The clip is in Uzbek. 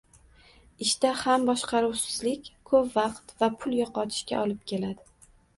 ishda ham boshqaruvsizlik ko’p vaqt va pul yo’qotishga olib keladi